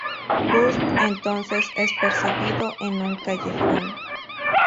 Burt entonces es perseguido en un callejón.